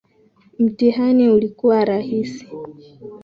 Mtihani ulikuwa rahisi